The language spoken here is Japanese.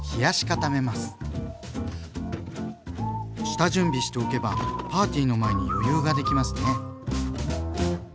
下準備しておけばパーティーの前に余裕ができますね。